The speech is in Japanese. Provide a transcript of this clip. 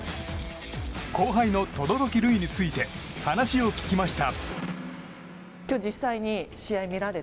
後輩の轟琉維について話を聞きました。